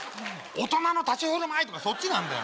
大人の立ち居振る舞いとかそっちなんだよ